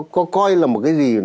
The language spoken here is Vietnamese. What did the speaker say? có coi là một cái gì